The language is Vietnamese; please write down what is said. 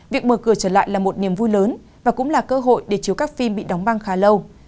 việc mở cửa trở lại là một niềm vui lớn và cũng là cơ hội để chứa các phim bị đóng băng khá lâu